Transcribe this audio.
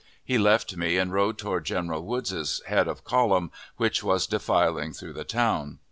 He left me and rode toward General Woods's head of column, which was defiling through the town.